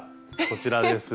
こちらです。